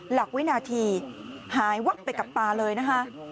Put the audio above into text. หลักวินาทีหายวับไปกับตาเลยนะคะ